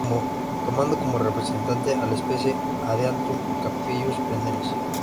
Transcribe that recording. Tomando como representante a la especie "Adiantum capillus-veneris".